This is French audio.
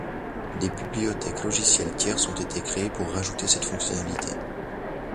Des bibliothèques logicielles tierces ont été créées pour rajouter cette fonctionnalité.